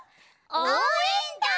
「おうえんだん」！